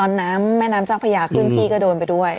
ตอนนั้นแม่น้ำเจ้าพระยาขึ้นพี่ก็โดนไปด้วย